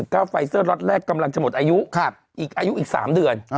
ไฟเซอร์ล็อตแรกกำลังจะหมดอายุอีกอายุอีก๓เดือน